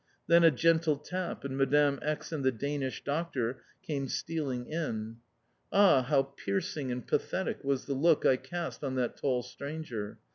Then a gentle tap, and Madame X. and the Danish Doctor came stealing in. Ah! how piercing and pathetic was the look I cast on that tall stranger.